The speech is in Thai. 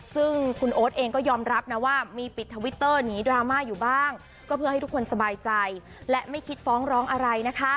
ซึ่งคุณโอ๊ตเองก็ยอมรับนะว่ามีปิดทวิตเตอร์หนีดราม่าอยู่บ้างก็เพื่อให้ทุกคนสบายใจและไม่คิดฟ้องร้องอะไรนะคะ